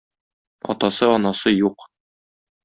Атасы-анасы юк.